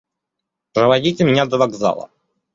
– Проводите меня до вокзала.